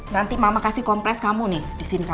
nanti mama kasih kompres kamu nih di sini